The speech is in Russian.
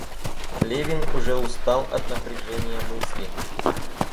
Левин уже устал от напряжения мысли.